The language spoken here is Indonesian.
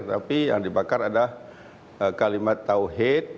tapi yang dibakar ada kalimat tawhid